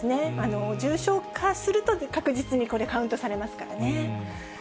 重症化すると確実にこれ、カウントされますからね。